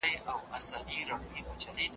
مشران په لويه جرګه کي د سولي غوښتنه کوي.